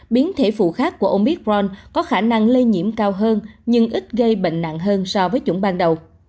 biến thể phụ khác của omicron có khả năng lây nhiễm cao hơn nhưng ít gây bệnh nặng hơn so với chủng ban đầu